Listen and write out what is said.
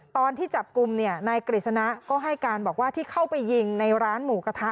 ตอนที่จับกลุ่มเนี่ยนายกฤษณะก็ให้การบอกว่าที่เข้าไปยิงในร้านหมูกระทะ